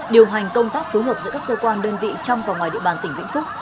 điều hành công tác phối hợp giữa các cơ quan đơn vị trong và ngoài địa bàn tỉnh vĩnh phúc